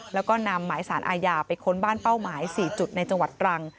แล้วก็นำหมายสารอาญาไปค้นบ้านเป้าหมาย๔จุดในจังหวัดตรัง